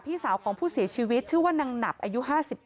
พี่สาวของผู้เสียชีวิตชื่อว่านางหนับอายุ๕๙